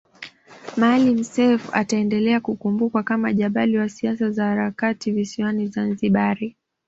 Maalim Self ataendelea kukumbukwa kama jabali wa siasa za harakati visiwani Zanzibari